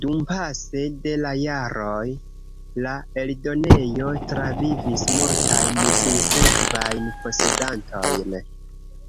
Dumpase de la jaroj la eldonejo travivis multajn sinsekvajn posedantojn.